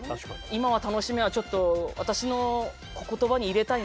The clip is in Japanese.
「今は楽しめ」はちょっと私の言葉に入れたいなっていう。